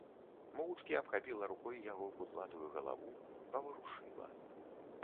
Моўчкі абхапіла рукой яго кудлатую галаву, паварушыла.